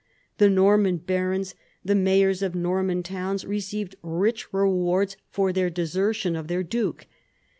The Norman barons, the mayors of Norman towns, received rich rewards for their desertion of their duke.